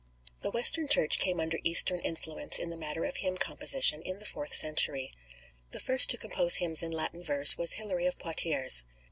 The Western Church came under Eastern influence in the matter of hymn composition in the fourth century. The first to compose hymns in Latin verse was Hilary of Poitiers.